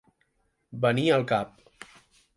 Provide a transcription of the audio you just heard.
Venir al cap.